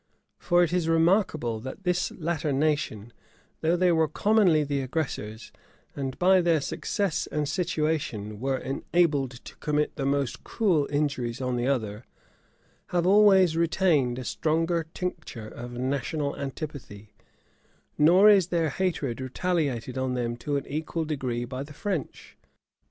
For it is remarkable, that this latter nation, though they were commonly the aggressors, and by their success and situation were enabled to commit the most cruel injuries on the other, have always retained a stronger tincture of national antipathy; nor is their hatred retaliated on them to an equal degree by the French.